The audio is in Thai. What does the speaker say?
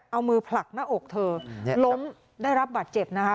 เอามือผลักหน้าอกเธอล้มได้รับบาดเจ็บนะคะ